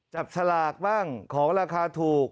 จับสลากบ้างของราคาถูก